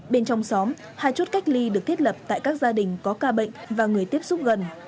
bên trong xóm hai chốt cách ly được thiết lập tại các gia đình có ca bệnh và người tiếp xúc gần